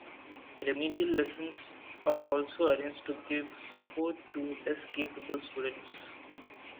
Remedial lessons are also arranged to give support to less capable students.